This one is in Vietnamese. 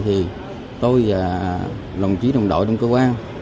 thì tôi và lòng trí đồng đội trong cơ quan